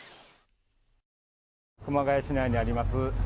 熊谷市内にあります